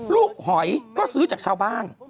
หอยก็ซื้อจากชาวบ้าน